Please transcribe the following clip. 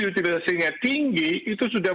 utilisasinya tinggi itu sudah